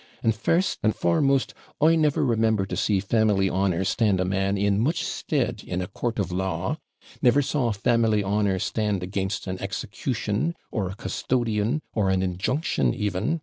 And, first and foremost, I never remember to see family honour stand a man in much stead in a court of law never saw family honour stand against an execution, or a custodiam, or an injunction even.